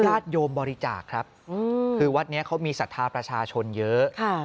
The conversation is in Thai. ญาติโยมบริจาคครับคือวัดนี้เขามีศรัทธาประชาชนเยอะ